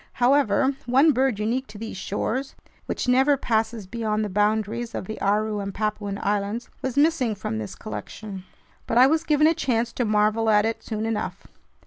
However, one bird unique to these shores, which never passes beyond the boundaries of the Aru and Papuan Islands, was missing from this collection. But I was given a chance to marvel at it soon enough.